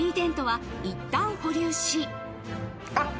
あっ！